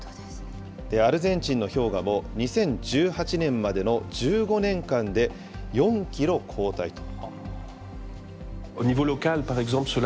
アルゼンチンの氷河も２０１８年までの１５年間で４キロ後退と。